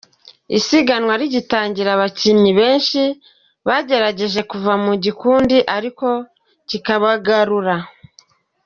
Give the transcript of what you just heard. Isiganwa rigitangira abakinnyi benshi bagerageje kuva mu gikundi ariko kikabagarura.